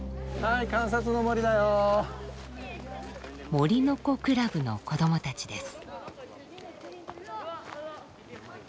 「森の子クラブ」の子どもたちです。